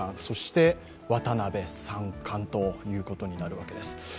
そして、渡辺三冠ということになるわけです。